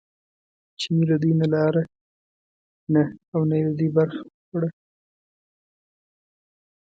چیني له دوی نه لاره نه او نه یې د دوی برخه خوړه.